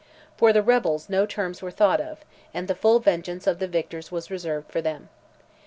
For the rebels no terms were thought of, and the full vengeance of the victors was reserved for them.